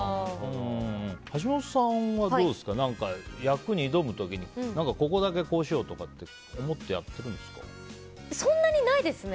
橋本さんは役に挑む時にここだけこうしようとかそんなにないですね。